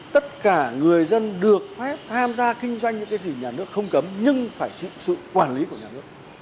tất cả người dân được phép tham gia kinh doanh những cái gì nhà nước không cấm nhưng phải chịu sự quản lý của nhà nước